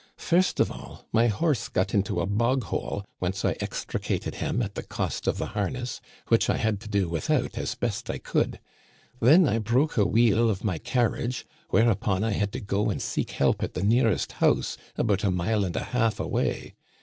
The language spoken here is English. First of all, my horse got into a bog hole, whence I extricated him at the cost of the harness, which I had to do without as best I could. Then I broke a wheel of my carriage, whereupon I had to go and seek help at the nearest house, about a mile and a half away.